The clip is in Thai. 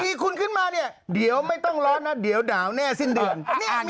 มีคุณขึ้นมาเนี่ยเดี๋ยวไม่ต้องร้อนนะเดี๋ยวหนาวแน่สิ้นเดือน